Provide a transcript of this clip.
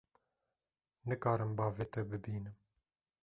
Nikarim bavê te bibînim.